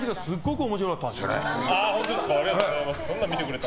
ありがとうございます。